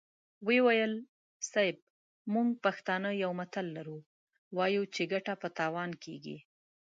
ويې ويل: صيب! موږ پښتانه يو متل لرو، وايو چې ګټه په تاوان کېږي.